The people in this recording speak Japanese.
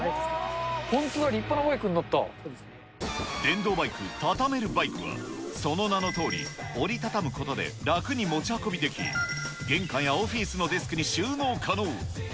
本当だ、立派なバイクになっ電動バイク、タタメルバイクは、その名のとおり、折り畳むことで楽に持ち運びでき、玄関やオフィスのデスクに収納可能。